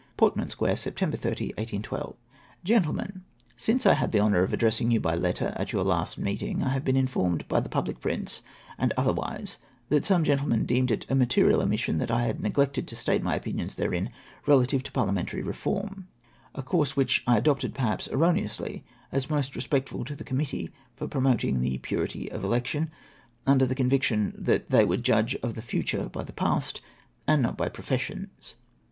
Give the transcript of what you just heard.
Portman Square, Sept. 30, 1812. " GrENTLEMEN, — Since I had the honour of addressing you, by letter, at your last meeting, I have been informed by the public prints and otherwise that some gentlemen deemed it a material omission that I had neglected to state my opinions therein relative to Parliamentary Eeform, — a course which I adopted, perhaps erroneously, as most respectful to the Committee for promoting the Purity of Election ; under the conviction that they would judge of the future by the past, and not by professions.